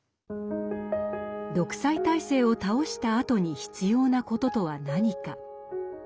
独裁体制を倒したあとに必要なこととは何か。